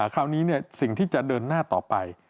คราวนี้สิ่งที่จะเดินหน้าต่อไป